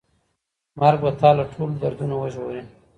مرګ به تا له ټولو دردونو وژغوري.